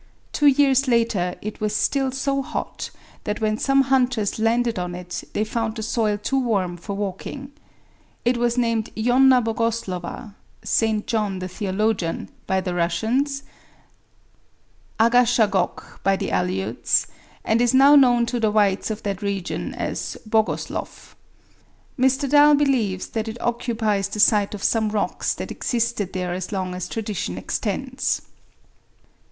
Two years later it was still so hot that when some hunters landed on it they found the soil too warm for walking. It was named Ionna Bogoslova (St. John the Theologian), by the Russians, Agashagok by the Aleuts, and is now known to the whites of that region as Bogosloff. Mr. Dall believes that it occupies the site of some rocks that existed there as long as tradition extends.